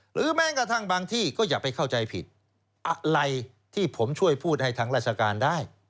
แม้กระทั่งบางที่ก็อย่าไปเข้าใจผิดอะไรที่ผมช่วยพูดให้ทางราชการได้